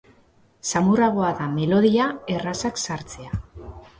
Samurragoa da melodia errazak sartzea.